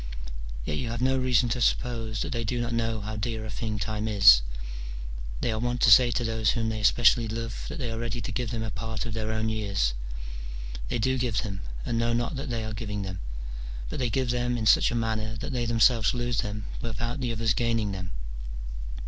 Yet yon have no reason to suppose that they do not know how dear a thing time is : they are wont to say to those whom they especially love that they are ready to give them a part of their own years. They do give them, and know not that they are giving them ; but they give them in such a manner that they themselves lose them without the others gaining them.